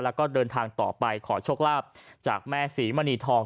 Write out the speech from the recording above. แล้วก็เดินทางต่อไปขอโชคลาภจากแม่ศรีมณีทอง